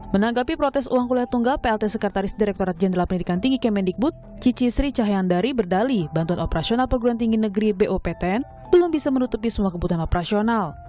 menanggapi protes uang kuliah tunggal plt sekretaris direkturat jenderal pendidikan tinggi kemendikbud cici sri cahyandari berdali bantuan operasional perguruan tinggi negeri boptn belum bisa menutupi semua kebutuhan operasional